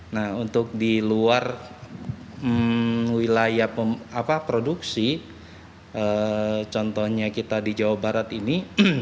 nah untuk di luar wilayah produksi contohnya kita di jawa barat ini